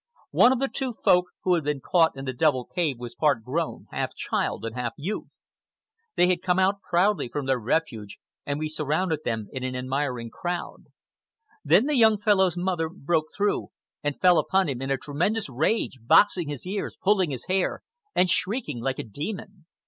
One of the two Folk who had been caught in the double cave was part grown, half child and half youth. They had come out proudly from their refuge, and we surrounded them in an admiring crowd. Then the young fellow's mother broke through and fell upon him in a tremendous rage, boxing his ears, pulling his hair, and shrieking like a demon.